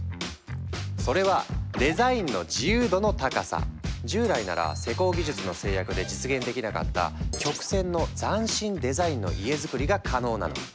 それは従来なら施工技術の制約で実現できなかった曲線の斬新デザインの家づくりが可能なの！